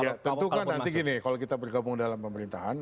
ya tentu kan nanti gini kalau kita bergabung dalam pemerintahan